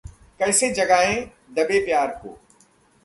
कैसे जगाएं दबे प्यार को...